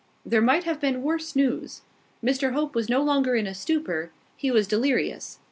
There might have been worse news. Mr Hope was no longer in a stupor: he was delirious.